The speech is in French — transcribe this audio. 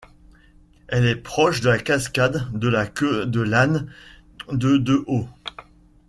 Elle est proche de la cascade de la queue de l’ane de de haut.